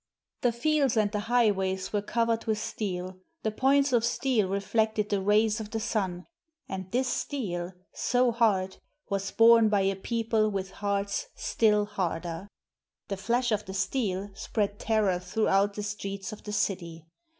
The fields and the highways were covered with steel: the points of steel reflected the rays of the sun ; and this steel, so hard, was borne by a people with hearts still harder. "The flash of the steel spread terror throughout the streets of the city.